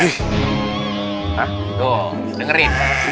hah dong dengerin